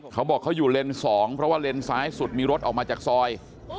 เขาบอกเขาอยู่เลนส์๒เพราะว่าเลนซ้ายสุดมีรถออกมาจากซอย